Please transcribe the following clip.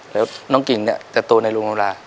แล้วน้องกิ๋งจะโตในโรงโนรา